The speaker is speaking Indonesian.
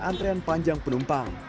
antrian panjang penumpang